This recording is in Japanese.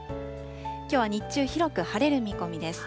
きょうは日中、広く晴れる見込みです。